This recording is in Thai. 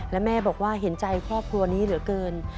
และแม่บอกว่าเห็นใจครอบครัวนี้เหลือเกิน